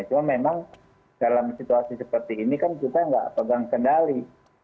cuma memang dalam situasi seperti ini kan kita nggak pegang kendali